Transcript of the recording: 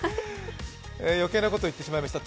余計なことを言ってしまいました。